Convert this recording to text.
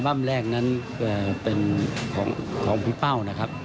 อัลบั้มแรกนั้นเป็นของพี่เป้านะครับ